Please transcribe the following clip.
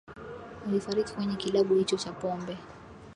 walifariki kwenye kilabu hicho cha pombe